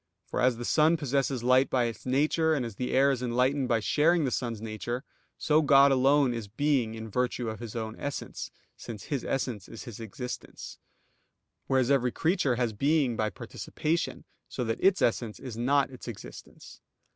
For as the sun possesses light by its nature, and as the air is enlightened by sharing the sun's nature; so God alone is Being in virtue of His own Essence, since His Essence is His existence; whereas every creature has being by participation, so that its essence is not its existence.